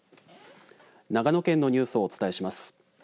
長野県のニュースをお伝えします。